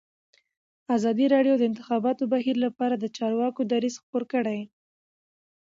ازادي راډیو د د انتخاباتو بهیر لپاره د چارواکو دریځ خپور کړی.